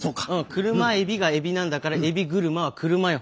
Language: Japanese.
「車エビ」がエビなんだから「エビ車」は車よ。